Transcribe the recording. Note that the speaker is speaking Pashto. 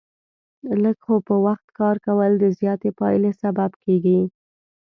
لږ خو په وخت کار کول، د زیاتې پایلې سبب کېږي.